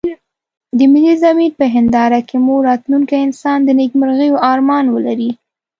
د ملي ضمير په هنداره کې مو راتلونکی انسان د نيکمرغيو ارمان ولري.